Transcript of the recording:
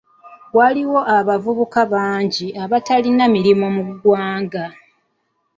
Waliwo abavubuka bangi abatalina mirimu mu ggwanga.